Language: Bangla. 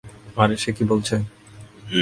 আরে, সে কি বলছে?